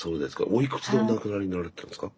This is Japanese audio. おいくつでお亡くなりになられたんですか？